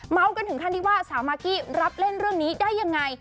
กันถึงขั้นที่ว่าสาวมากกี้รับเล่นเรื่องนี้ได้ยังไง